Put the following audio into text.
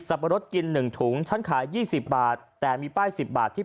สับปะรถกินหนึ่งถุงฉันขายยี่สิบบาทแต่มีป้ายสิบบาทที่